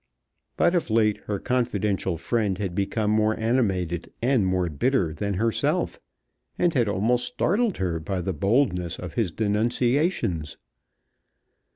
But of late her confidential friend had become more animated and more bitter than herself, and had almost startled her by the boldness of his denunciations.